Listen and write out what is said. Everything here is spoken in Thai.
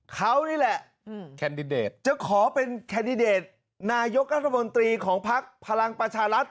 เขานี่แหละจะขอเป็นแคนดิเดตนายกราศบนตรีของภักดิ์พลังประชารัฐ